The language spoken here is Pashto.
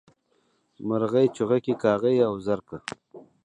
مرغۍ، چوغکي کاغۍ او زرکه